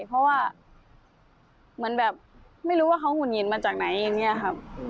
เพราะว่าเหมือนแบบไม่รู้ว่าเขาหุ่นหงิดมาจากไหนอย่างนี้ครับ